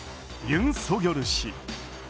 ユン・ソギョル氏。